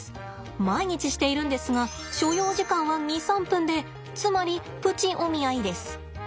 毎日しているんですが所要時間は２３分でつまりプチお見合いです。